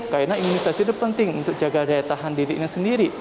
karena imunisasi itu penting untuk jaga daya tahan didiknya sendiri